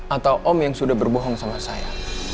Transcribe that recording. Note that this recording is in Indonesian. atau om yang sudah berbohong sama saya